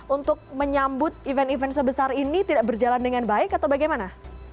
untuk menyambut event event sebesar ini tidak berjalan dengan baik atau bagaimana